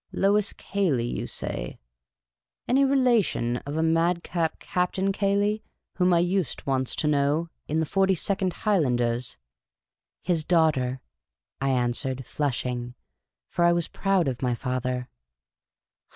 Lois Cayley, you say ; any relation of a madcap Captain Cayley whom I used once to know, in the Forty second High landers ?"" His daughter," I answered, flushing, for I was proud of my father.